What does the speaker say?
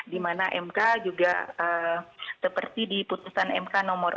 dimana mk juga seperti di keputusan mk nomor empat puluh dua dan lima puluh satu